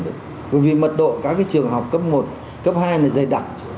bởi vì mật độ các trường học cấp một cấp hai này dày đặc